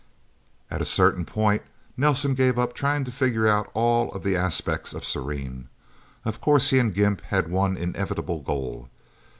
At a certain point, Nelsen gave up trying to figure out all of the aspects of Serene. Of course he and Gimp had one inevitable goal.